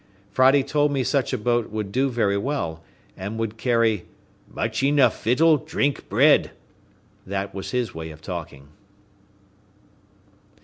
Friday told me such a boat would do very well, and would carry "much enough vittle, drink, bread;" this was his way of talking.